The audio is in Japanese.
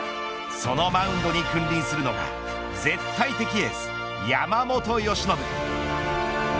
そのマウンドに君臨するのが絶対的エース山本由伸。